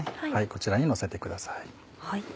こちらにのせてください。